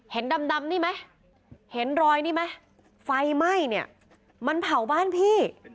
ดำนี่ไหมเห็นรอยนี่ไหมไฟไหม้เนี่ยมันเผาบ้านพี่